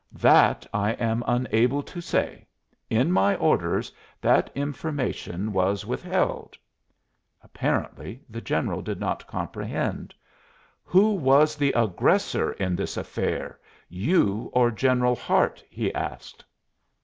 "That I am unable to say. In my orders that information was withheld." Apparently the general did not comprehend. "Who was the aggressor in this affair, you or General Hart?" he asked.